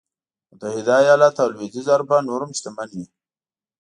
متحده ایالت او لوېدیځه اروپا نور هم شتمن وي.